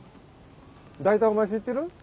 大体お前知ってる？